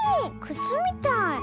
くつみたい。